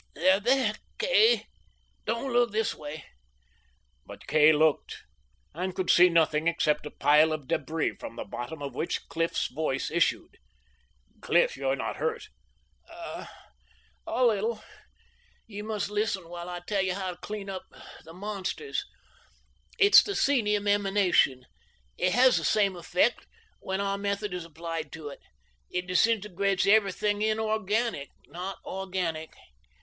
"They're there, Kay. Don't look this way!" But Kay looked and could see nothing except a pile of debris, from the bottom of which Cliff's voice issued. "Cliff, you're not hurt?" "A a little. You must listen while I tell you how to clean up the monsters. It's the psenium emanation. It has the same effect when our method is applied to it. It disintegrates everything inorganic not organic.